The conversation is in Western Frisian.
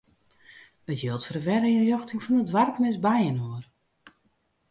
It jild foar de werynrjochting fan de doarpen is byinoar.